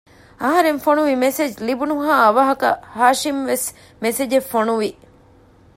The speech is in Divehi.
އަހަރެން ފޮނުވި މެސެޖް ލިބުނުހާ އަވަހަކަށް ހާޝިމްވެސް މެސެޖެއް ފޮނުވި